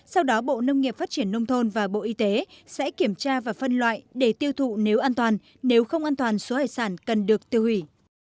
sau đó bộ nông nghiệp phát triển nông thôn và bộ y tế sẽ kiểm tra và phân loại để tiêu thụ nếu an toàn nếu không an toàn số hải sản cần được tiêu hủy